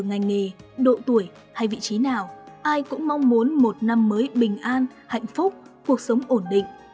ngành nghề độ tuổi hay vị trí nào ai cũng mong muốn một năm mới bình an hạnh phúc cuộc sống ổn định